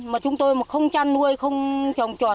mà chúng tôi không chăn nuôi không chồng trọt